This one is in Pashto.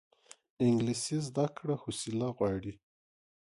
انګلیسي زده کړه حوصله غواړي